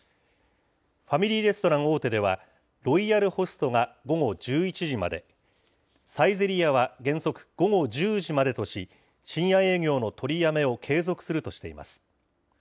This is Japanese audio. ファミリーレストラン大手では、ロイヤルホストが午後１１時まで、サイゼリヤは原則、午後１０時までとし、深夜営業の取りやめを継続するとしています。